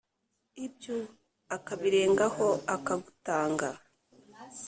Ibyo akabirengaho akagutanga